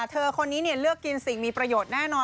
เธอคนนี้เลือกกินสิ่งมีประโยชน์แน่นอน